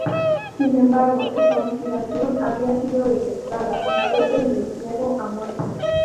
Sin embargo, su conspiración había sido detectada y fue sentenciado a muerte.